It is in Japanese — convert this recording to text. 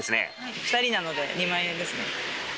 ２人なので２万円ですね。